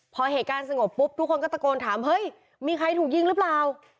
พอเหตุการณ์สงบปุ๊บทุกคนก็ตะโกนถามเฮ้ยมีใครถูกยิงหรือเปล่า